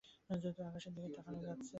আকাশের দিকে তাকানাে যাচ্ছে।